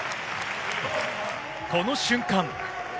この瞬間。